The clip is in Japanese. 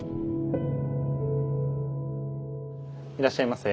いらっしゃいませ。